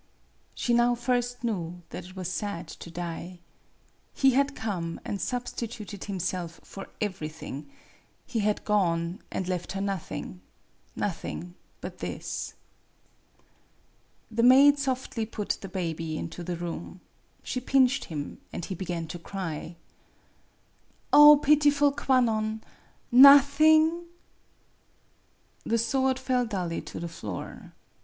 She now first knew that it was sad to die. He had come, and / substituted himself for everything; he had gone, and left her nothing nothing but this. THE maid softly put the baby into the room. She pinched him, and he began to cry. " Oh, pitiful Kwannon ! Nothing ?" The sword fell dully to the floor.